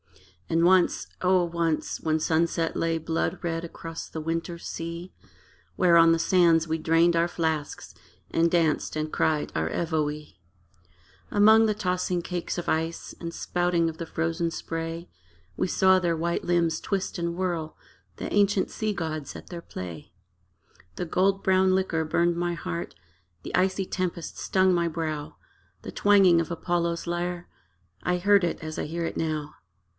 And once O once! when sunset lay Blood red across the winter sea, Where on the sands we drained our flasks And danced and cried our Evoe! Among the tossing cakes of ice And spouting of the frozen spray, We saw their white limbs twist and whirl The ancient sea gods at their play. The gold brown liquor burned my heart, The icy tempest stung my brow: The twanging of Apollo's lyre I heard it as I hear it now.